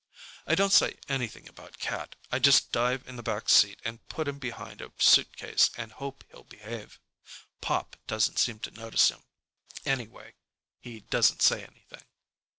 I don't say anything about Cat. I just dive in the back seat and put him behind a suitcase and hope he'll behave. Pop doesn't seem to notice him. Anyway he doesn't say anything.